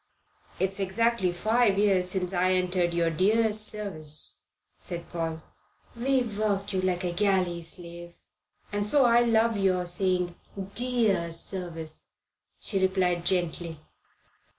"It's exactly five years since I entered your dear service," said Paul. "We've worked you like a galley slave, and so I love your saying 'dear service,'" she replied gently.